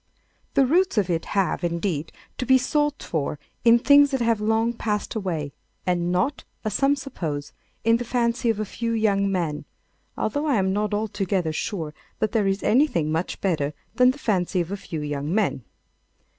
The roots of it have, indeed, to be sought for in things that have long passed away, and not, as some suppose, in the fancy of a few young men—although I am not altogether sure that there is anything much better than the fancy of a few young men.